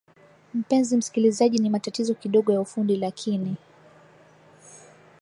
mpenzi msikilizaji ni matatizo kidogo ya ufundi lakini